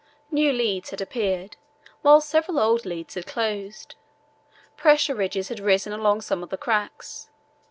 New leads had appeared, while several old leads had closed. Pressure ridges had risen along some of the cracks.